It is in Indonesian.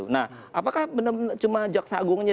nah apakah benar benar cuma jaksa agungnya